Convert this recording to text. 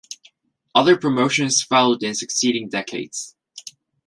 Other promotions followed in succeeding decades.